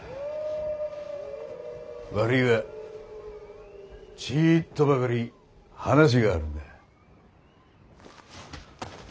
悪いがちいっとばかり話があるんだ。